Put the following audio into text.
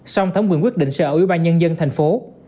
song thống quyền quyết định sẽ ở ủy ban nhân dân tp hcm